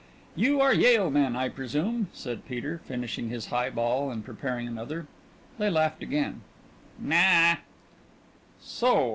"You are Yale men, I presume," said Peter, finishing his highball and preparing another. They laughed again. "Na ah." "So?